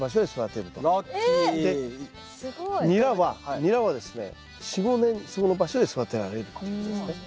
ニラはですね４５年そこの場所で育てられるっていうことですね。